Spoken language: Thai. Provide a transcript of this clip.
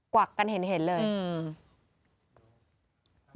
กวักกันเห็นเลย